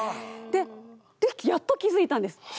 でやっと気付いたんです。